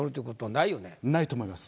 ないと思います。